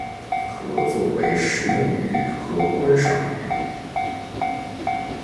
可作为食用鱼和观赏鱼。